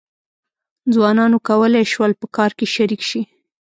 ځوانانو کولای شول په کار کې شریک شي.